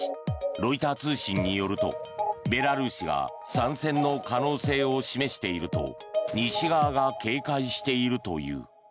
ロイター通信によるとベラルーシが参戦の可能性を示していると西側が警戒しているという。